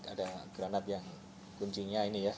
ada granat yang kuncinya ini ya